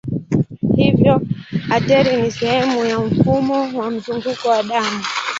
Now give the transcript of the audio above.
Hivyo ateri ni sehemu ya mfumo wa mzunguko wa damu.